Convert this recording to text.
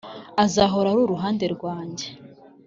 azahora ari uruhande rwanjye